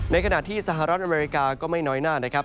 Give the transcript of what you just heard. ในขณะที่สหรัฐอเมริกาก็ไม่น้อยหน้านะครับ